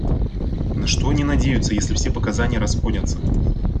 На что они надеются, если все показания расходятся?